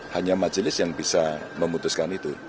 hanya majelis yang bisa memutuskan itu